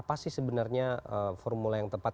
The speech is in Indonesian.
apa sih sebenarnya formula yang tepat